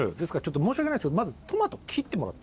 申し訳ないですけどまずトマト切ってもらって。